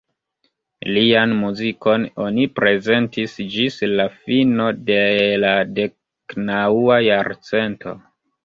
Lian muzikon oni prezentis ĝis la fino de la deknaŭa jarcento.